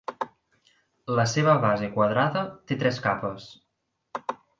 La seva base quadrada té tres capes.